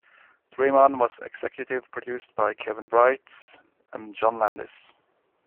"Dream On" was executive produced by Kevin Bright and John Landis.